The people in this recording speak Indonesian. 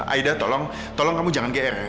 aida tolong tolong kamu jangan geere